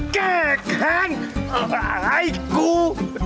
แก้แทงให้กู